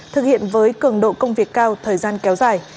thực hiện với cường độ công việc cao thời gian kéo dài